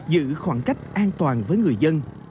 giữ khoảng cách an toàn với người dân